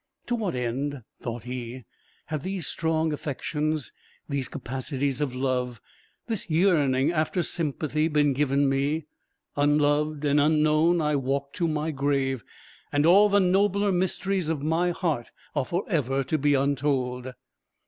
"To what end," thought he, "have these strong affections, these capacities of love, this yearning after sympathy, been given me? Unloved and unknown I walk to my grave, and all the nobler mysteries of my heart are for ever to be untold."